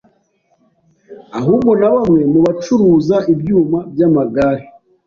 ahubwo na bamwe mu bacuruza ibyuma by’amagare